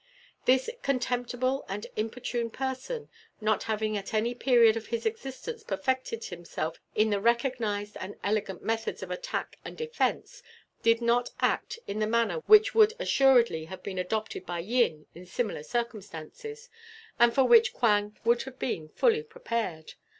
This contemptible and inopportune person, not having at any period of his existence perfected himself in the recognized and elegant methods of attack and defence, did not act in the manner which would assuredly have been adopted by Yin in similar circumstances, and for which Quang would have been fully prepared.